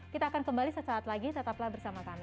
kita akan kembali sesaat lagi tetaplah bersama kami